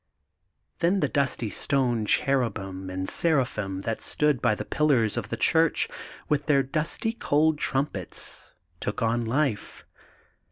' Then the dusty stone cherubim and sera phim that stood by the pillars of the church, with their dusty cold trumpets, took on life.